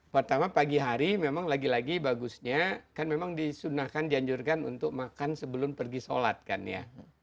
pertama pagi hari memang lagi lagi bagusnya kan memang disunahkan dianjurkan untuk makan sebelum pergi sholat kan ya